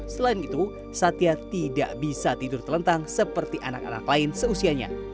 selain itu satya tidak bisa tidur terlentang seperti anak anak lain seusianya